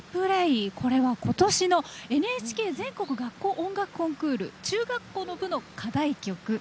これは今年の「ＮＨＫ全国学校音楽コンクール」中学校の部の課題曲。